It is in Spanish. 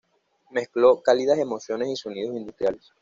Mezcló cálidas emociones y sonidos industriales.